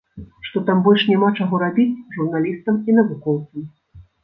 Што там больш няма чаго рабіць журналістам і навукоўцам.